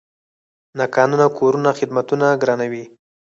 ناقانونه کورونه خدمتونه ګرانوي.